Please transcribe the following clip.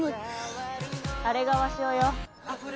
あれが鷲男よ。